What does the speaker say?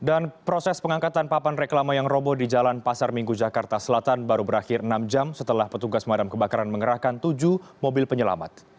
dan proses pengangkatan papan reklama yang robo di jalan pasar minggu jakarta selatan baru berakhir enam jam setelah petugas pemadam kebakaran mengerahkan tujuh mobil penyelamat